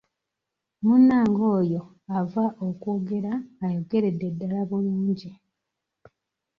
Munnange oyo ava okwogera ayogeredde ddala bulungi.